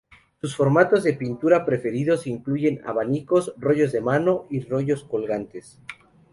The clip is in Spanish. Sus formatos de pintura preferidos incluyen abanicos, rollos de mano, y rollos colgantes.